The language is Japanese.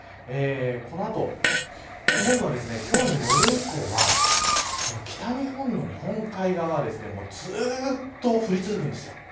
この後、今度は今日の夜以降は北日本の日本海側はずっと降り続くんですよ。